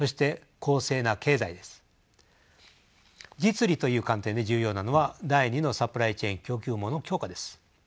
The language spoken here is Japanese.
実利という観点で重要なのは第２のサプライチェーン供給網の強化です。